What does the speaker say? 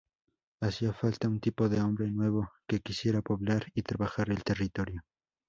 Hacía falta un tipo de hombre nuevo, que quisiera poblar y trabajar el territorio.